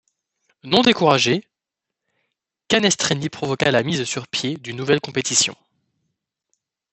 Non découragé, Canestrini provoca la mise sur pied d'une nouvelle compétition.